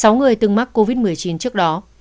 sáu người từng mắc covid một mươi chín trước đó